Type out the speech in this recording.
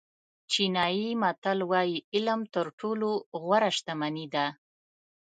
چینایي متل وایي علم تر ټولو غوره شتمني ده.